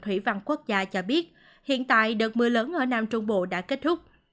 thủy văn quốc gia cho biết hiện tại đợt mưa lớn ở nam trung bộ đã kết thúc